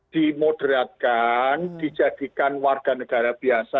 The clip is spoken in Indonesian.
dimoderatkan dijadikan warga negara biasa